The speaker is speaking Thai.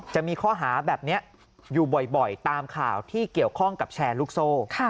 จะมีข้อหาแบบนี้อยู่บ่อยตามข่าวที่เกี่ยวข้องกับแชร์ลูกโซ่